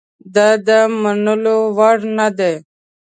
دا د منلو وړ نه دي.